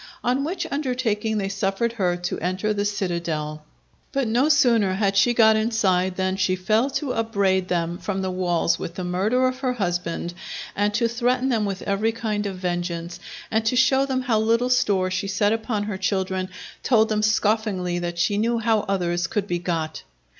On which undertaking they suffered her to enter the citadel. But no sooner had she got inside than she fell to upbraid them from the walls with the murder of her husband, and to threaten them with every kind of vengeance; and to show them how little store she set upon her children, told them scoffingly that she knew how others could be got.